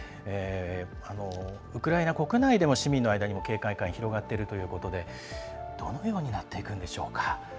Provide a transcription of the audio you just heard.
ウクライナ国内でも市民の間にも警戒感、広がっているということで、どのようになっていくんでしょうか。